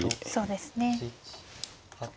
そうですね。